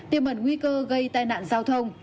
tiêm ẩn nguy cơ gây tai nạn giao thông